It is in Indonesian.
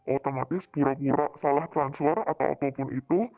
otomatis pura pura salah transfer atau apapun itu